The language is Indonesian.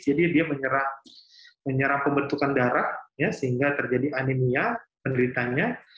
dia menyerang pembentukan darah sehingga terjadi anemia penderitanya